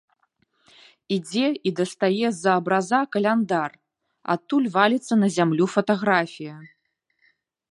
Ідзе і дастае з-за абраза каляндар, адтуль валіцца на зямлю фатаграфія.